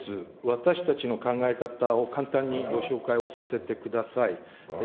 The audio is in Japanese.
私たちの考え方を簡単にご紹介をさせてください。